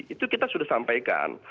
itu kita sudah sampaikan